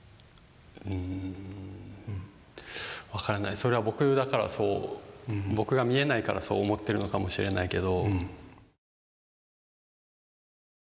それは僕だからそう僕が見えないからそう思ってるのかもしれないけど。